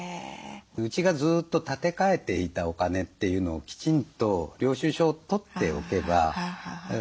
うちがずっと立て替えていたお金というのをきちんと領収書を取っておけば。